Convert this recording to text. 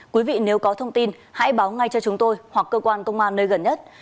quý vị nếu có thông tin hãy báo ngay cho chúng tôi hoặc cơ quan công an nơi gần nhất